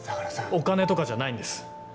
お金とかじゃないんです。